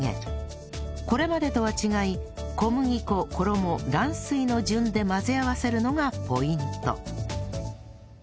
これまでとは違い小麦粉衣卵水の順で混ぜ合わせるのがポイント